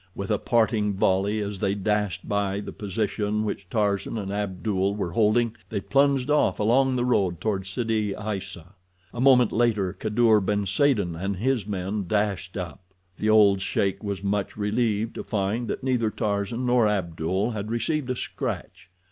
With a parting volley as they dashed by the position which Tarzan and Abdul were holding, they plunged off along the road toward Sidi Aissa. A moment later Kadour ben Saden and his men dashed up. The old sheik was much relieved to find that neither Tarzan nor Abdul had received a scratch.